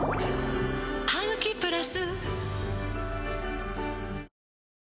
「ハグキプラス」